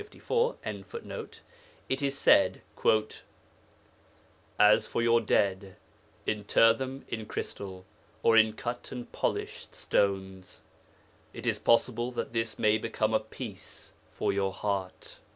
] it is said: 'As for your dead, inter them in crystal, or in cut and polished stones. It is possible that this may become a peace for your heart.'